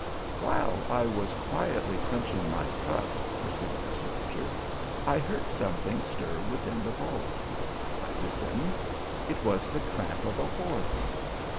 44 While I was quietly craunching my crust," pur sued the soldier, " I heard something stir within the vault; I listened: it was the tramp of a horse.